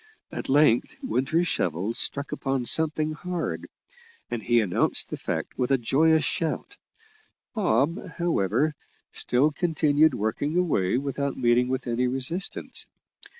At length Winter's shovel struck upon something hard, and he announced the fact with a joyous shout. Bob, however, still continued working away without meeting with any resistance.